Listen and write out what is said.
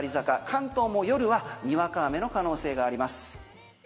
関東も夜はにわか雨の可能性があります。